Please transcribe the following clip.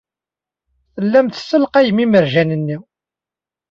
Tellam tessalqayem imerjan-nni.